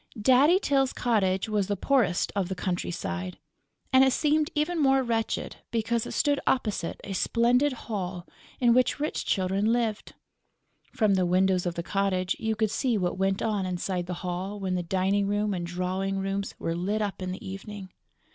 Daddy Tyl's cottage was the poorest of the countryside; and it seemed even more wretched because it stood opposite a splendid hall in which rich children lived. From the windows of the cottage you could see what went on inside the Hall when the dining room and drawing rooms were lit up in the evening.